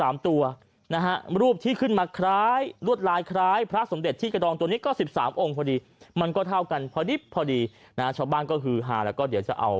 แล้วเดี๋ยวจะเอาไปเสกโชครั้งกว่านี้นะครับ